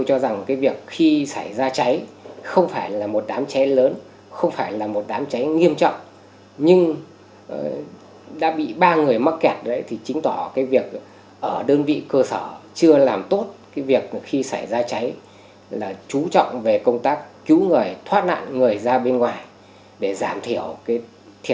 các bạn hãy đăng ký kênh để ủng hộ kênh của chúng mình nhé